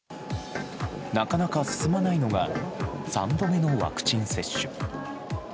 なかなか進まないのが、３度目のワクチン接種。